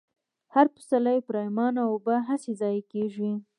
هر پسرلۍ پرېمانه اوبه هسې ضايع كېږي،